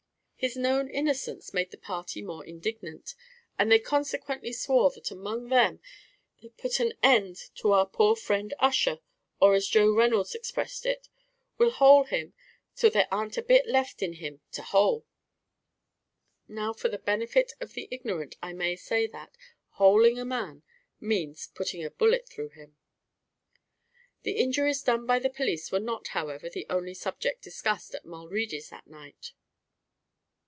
His known innocence made the party more indignant, and they consequently swore that among them they'd put an end to our poor friend Ussher, or as Joe Reynolds expressed it, "we'll hole him till there ar'nt a bit left in him to hole." Now, for the benefit of the ignorant, I may say that, "holing a man," means putting a bullet through him. The injuries done by the police were not, however, the only subject discussed at Mulready's that night.